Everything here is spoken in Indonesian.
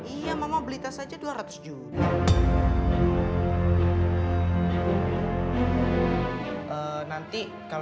iya mama beli tas saja dua ratus juta